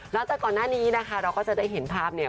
จากก่อนหน้านี้นะคะเราก็จะได้เห็นภาพเนี่ย